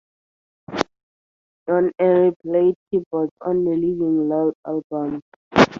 Don Airey played keyboards on the Living Loud album.